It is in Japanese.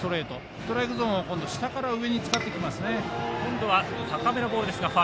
ストライクゾーン下から上に使ってきますね。